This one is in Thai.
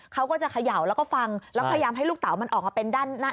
เขาก็จะเขย่าแล้วก็ฟังแล้วพยายามให้ลูกเต๋ามันออกมาเป็นด้านหน้า